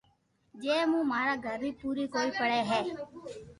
جي مو ماري گھر ري پوري ڪوئي پڙي ھي